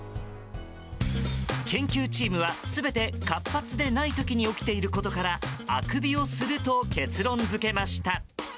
研究チームは全て活発でない時に起きていることからあくびをすると結論付けました。